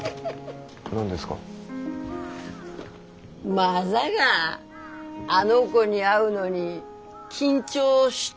まさがあの子に会うのに緊張してっとが？